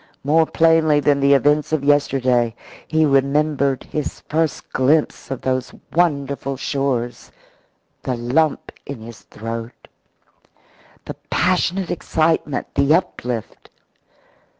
More plainly than the events of yesterday, he remembered his first glimpse of those wonderful shores the lump in his throat, the passionate excitement, the uplift.